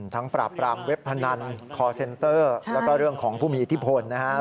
ปราบรามเว็บพนันคอร์เซ็นเตอร์แล้วก็เรื่องของผู้มีอิทธิพลนะครับ